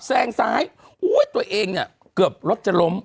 แซงซ้ายอุ้ยตัวเองเนี่ยเกือบรถจะล้ม